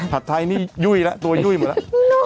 ไทยนี่ยุ่ยแล้วตัวยุ่ยหมดแล้ว